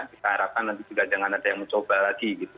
kita harapkan nanti juga jangan ada yang mencoba lagi gitu